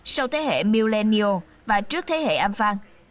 sau thế hệ millennial và trước thế hệ amphan